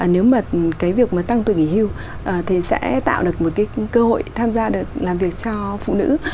nếu mà cái việc mà tăng tuổi nghỉ hưu thì sẽ tạo được một cái cơ hội tham gia được làm việc cho phụ nữ